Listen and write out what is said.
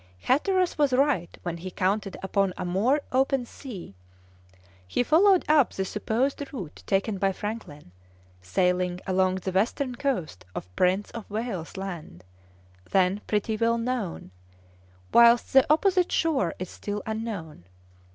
Hatteras was right when he counted upon a more open sea; he followed up the supposed route taken by Franklin, sailing along the western coast of Prince of Wales's Land, then pretty well known, whilst the opposite shore is still unknown.